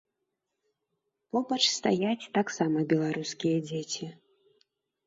Побач стаяць таксама беларускія дзеці.